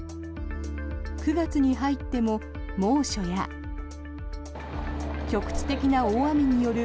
９月に入っても猛暑や局地的な大雨による